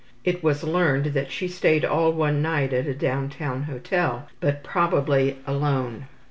It was learned that she stayed all one night at a downtown hotel, but probably alone.